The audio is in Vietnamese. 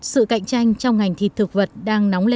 sự cạnh tranh trong ngành thịt thực vật đang nóng lên